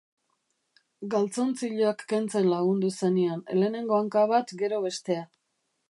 Galtzontziloak kentzen lagundu zenion, lehenengo hanka bat, gero bestea.